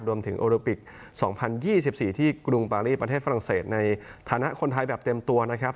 รวมถึงโอลิปิก๒๐๒๔ที่กรุงปารีประเทศฝรั่งเศสในฐานะคนไทยแบบเต็มตัวนะครับ